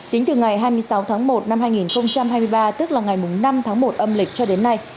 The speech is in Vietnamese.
tính từ ngày hai mươi sáu tháng một năm hai nghìn hai mươi ba tức là ngày năm tháng một âm lịch cho đến nay